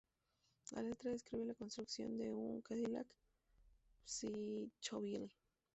La letra describe la construcción de un "Cadillac Psychobilly".